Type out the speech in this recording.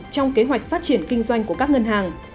trong kế hoạch phát triển kinh doanh của các ngân hàng